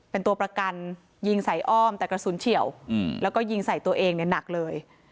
เป็นตัวประกันยิงใส่อ้อมแต่กระสุนเฉียวแล้วก็ยิงใส่ตัวเองเนี่ยหนักเลย